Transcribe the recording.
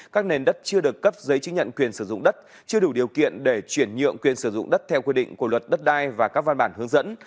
các nền đất chưa được cấp giấy chứng nhận quyền sử dụng đất chưa đủ điều kiện để chuyển nhượng quyền sử dụng đất theo quy định của luật đất đai và các văn bản hướng dẫn